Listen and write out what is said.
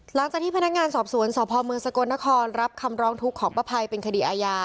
หลังจากที่พนักงานสอบสวนสพเมืองสกลนครรับคำร้องทุกข์ของป้าภัยเป็นคดีอาญา